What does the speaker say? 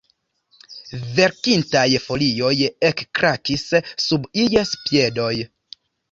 Velkintaj folioj ekkrakis sub ies piedoj.